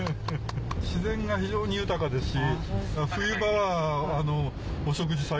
自然が非常に豊かですし。